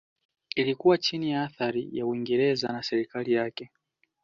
Ilikuwa chini ya athari ya Uingereza na serikali yake